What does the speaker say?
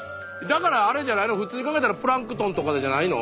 だからあれじゃないの普通に考えたらプランクトンとかじゃないの？